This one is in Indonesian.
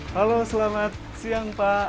halo selamat siang pak